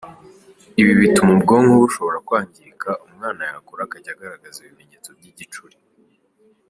Ibi bituma ubwonko bushobora kwangirika, umwana yakura akajya agaragaza ibimenyetso by’igicuri.